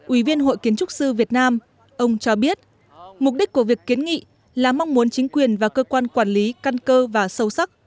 ủy viên hội kiến trúc sư việt nam ông cho biết mục đích của việc kiến nghị là mong muốn chính quyền và cơ quan quản lý căn cơ và sâu sắc